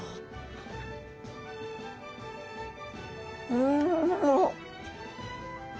うん。